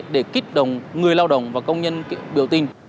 để kích động người lao động và công nhân biểu tình